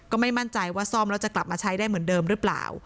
ก็ไม่มั่นใจว่าซ่อมแล้วจะกลับมาใช้ได้เหมือนเดิมหรือเปล่า